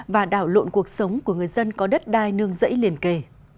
và đảo lộn cuộc sống của người dân có đất đai nương rẫy liền kề